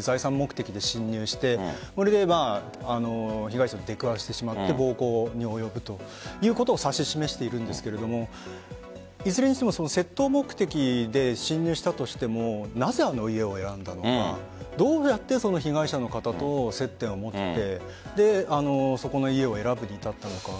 財産目的で侵入して被害者に出くわしてしまって暴行に及ぶということを指し示しているんですがいずれにしても窃盗目的で侵入したとしてもなぜ、あの家を選んだのかどうやって被害者の方と接点を持ってそこの家を選ぶに至ったのか。